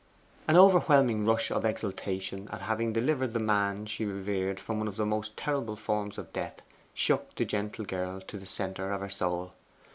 An overwhelming rush of exultation at having delivered the man she revered from one of the most terrible forms of death, shook the gentle girl to the centre of her soul.